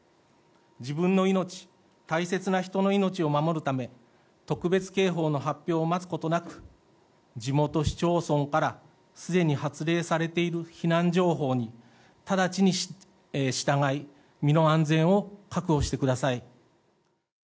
自分の命、大切な人の命を守るため特別警報の発表を待つことなく地元市町村からすでに発令されている避難情報に直ちに従い身の安全を確保してください。